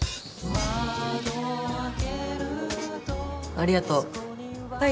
ありがとう。